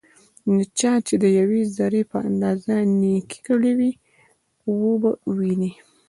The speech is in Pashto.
نو چا چې دیوې ذرې په اندازه نيکي کړي وي، وبه يې ويني